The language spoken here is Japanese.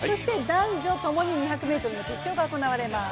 男女ともに２００ｍの決勝が行われます。